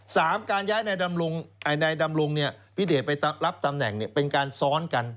การย้ายนายดำรงพิเดชไปรับตำแหน่งเป็นการซ้อนกัน